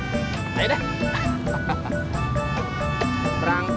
tadi sebelum saya jalan istri saya ngerengek